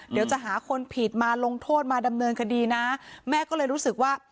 เดี๋ยวจะหาคนผิดมาลงโทษมาดำเนินคดีนะแม่ก็เลยรู้สึกว่า